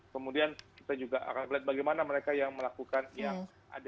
kemudian kita juga akan melihat bagaimana mereka yang melakukan yang ada di rumah suara